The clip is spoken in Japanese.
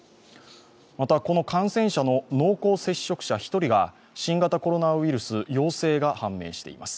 また、この感染者の濃厚接触者１人が新型コロナウイルス陽性が判明しています。